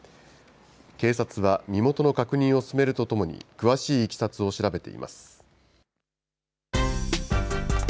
警察は身元の確認を進めるとともに、詳しいいきさつを調べています。